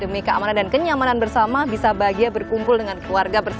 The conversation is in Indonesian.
demi keamanan dan kenyamanan bersama bisa bahagia berkumpul dengan keluarga